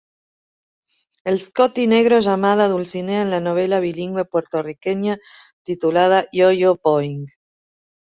El scottie negro llamada "Dulcinea" en la novela bilingüe puertorriqueña titulada "Yo-Yo Boing!